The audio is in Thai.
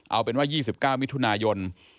เอาเป็นว่า๒๙มิถุนายน